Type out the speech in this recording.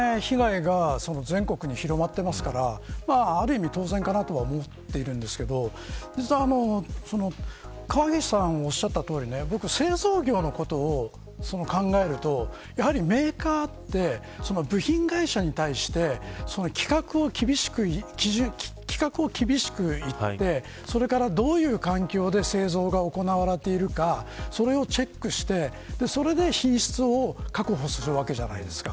これだけ被害が全国に広まっていますからある意味、当然かなとは思っているんですけど実は、河岸さんおっしゃったとおり僕は製造業のことを考えるとやはりメーカーって部品会社に対して規格を厳しくいって、それからどういう環境で製造が行われているかそれをチェックしてそれで品質を確保するわけじゃないですか。